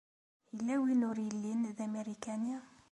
Yella win ur yellin d amarikani?